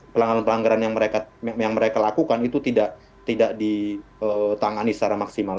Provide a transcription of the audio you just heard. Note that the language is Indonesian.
pelanggaran pelanggaran yang mereka lakukan itu tidak ditangani secara maksimal